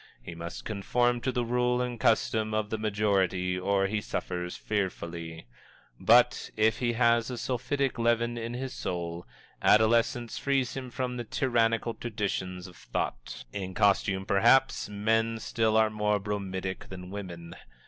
He must conform to the rule and custom of the majority or he suffers fearfully. But, if he has a sulphitic leaven in his soul, adolescence frees him from the tyrannical traditions of thought. In costume, perhaps, men still are more bromidic than women.